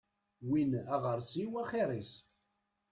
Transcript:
Win aɣersiw axir-is.